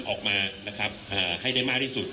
คุณผู้ชมไปฟังผู้ว่ารัฐกาลจังหวัดเชียงรายแถลงตอนนี้ค่ะ